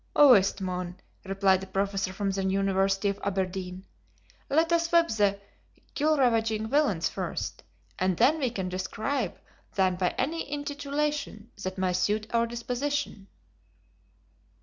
"Whist, mon," replied a professor from the University of Aberdeen, "let us whip the gillravaging villains first, and then we can describe than by any intitulation that may suit our deesposition."